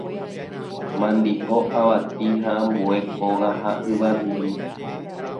mandi'o, avati ha ambue kóga ha yvamimi.